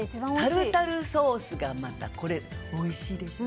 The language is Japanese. タルタルソースがまたおいしいでしょ。